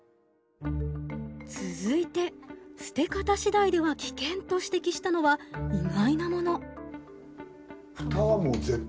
続いて「捨て方次第では危険！」と指摘したのは意外なもの。